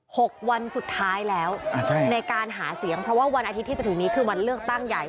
หกวันสุดท้ายแล้วอ่าใช่ในการหาเสียงเพราะว่าวันอาทิตย์ที่จะถึงนี้คือวันเลือกตั้งใหญ่